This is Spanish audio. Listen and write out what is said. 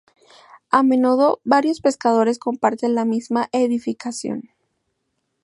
A menudo, varios pescadores comparten la misma edificación.